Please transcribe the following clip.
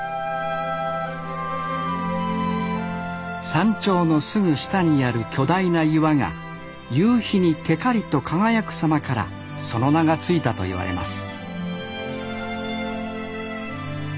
山頂のすぐ下にある巨大な岩が夕日にてかりと輝く様からその名が付いたと言われます